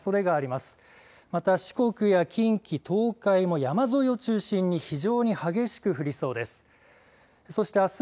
また、四国や近畿、東海も山沿いを中心に非常に激しく降りそうです。